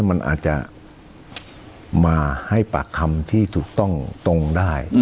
มันอาจจะมาให้ปากคำที่ถูกต้องตรงได้